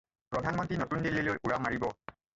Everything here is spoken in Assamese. প্ৰধান মন্ত্ৰী নতুন দিল্লীলৈ উৰা মাৰিব।